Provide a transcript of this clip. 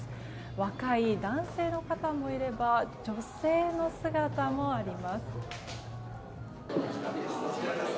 若い男性の方もいれば女性の姿もあります。